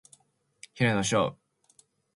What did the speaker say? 平野紫耀